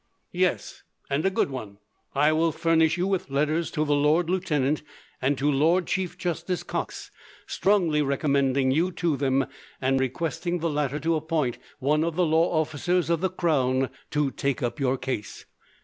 "Yes, and a good one. I will furnish you with letters to the lord lieutenant, and to Lord Chief Justice Cox, strongly recommending you to them, and requesting the latter to appoint one of the law officers of the crown to take up your case.